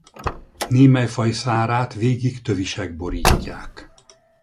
Némely faj szárát végig tövisek borítják.